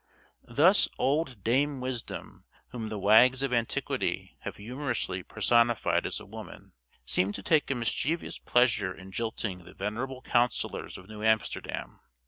Thus old Dame Wisdom (whom the wags of antiquity have humorously personified as a woman) seem to take a mischievous pleasure in jilting the venerable councillors of New Amsterdam.